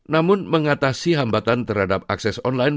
namun mengatasi hambatan terhadap akses online